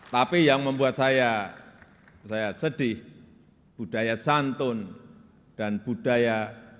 tapi yang membuat saya saya sedih budaya santun dan budaya